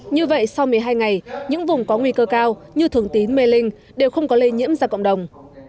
như vậy sau một mươi hai ngày những vùng có nguy cơ cao như thường tín mê linh đều không có lây nhiễm ra cộng đồng